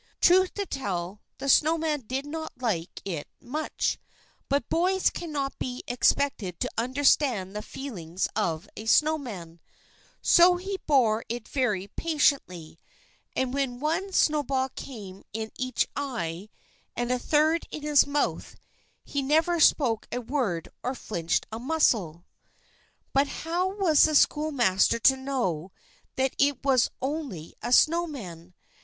Truth to tell, the snow man did not like it much, but boys cannot be expected to understand the feelings of a snow man, so he bore it very patiently, and when one snowball came in each eye, and a third in his mouth, he never spoke a word or flinched a muscle. But how was the schoolmaster to know that it was only a snow man?